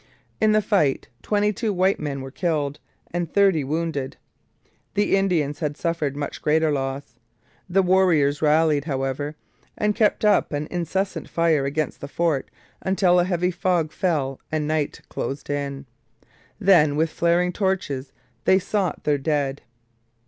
In the fight twenty two white men were killed and thirty wounded. The Indians had suffered much greater loss. The warriors rallied, however, and kept up an incessant fire against the fort until a heavy fog fell and night closed in. Then with flaring torches they sought their dead.